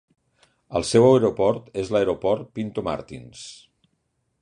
El seu aeroport és l'Aeroport Pinto Martins.